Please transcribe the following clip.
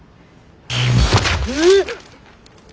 えっ！